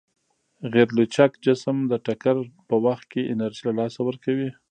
غیرلچک جسم د ټکر په وخت کې انرژي له لاسه ورکوي.